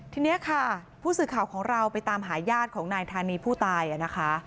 ทีนี้ค่ะผู้สื่อข่าวของเราไปตามหาญาติของนายธานีผู้ตายนะคะ